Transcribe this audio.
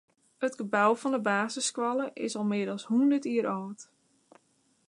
It gebou fan de basisskoalle is al mear as hûndert jier âld.